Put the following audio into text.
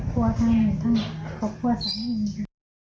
ก็หลายอย่างค่ะทั้งขอบคุณทั้งนี้